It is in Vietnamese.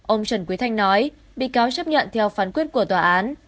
ông trần quý thanh nói bị cáo chấp nhận theo phán quyết của tòa án